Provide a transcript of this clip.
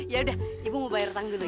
yaudah ibu mau bayar tangga dulu ya